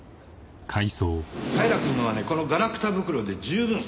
平くんのはねこのガラクタ袋で十分。